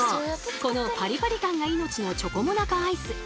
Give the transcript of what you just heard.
このパリパリ感が命のチョコモナカアイス！